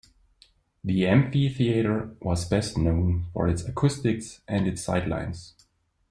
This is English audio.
The amphitheatre was best known for its acoustics and its sightlines.